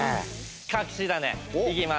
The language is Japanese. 隠し種いきます！